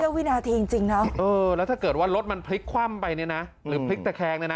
วินาทีจริงนะเออแล้วถ้าเกิดว่ารถมันพลิกคว่ำไปเนี่ยนะหรือพลิกตะแคงเนี่ยนะ